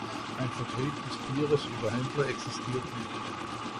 Ein Vertrieb des Bieres über Händler existiert nicht.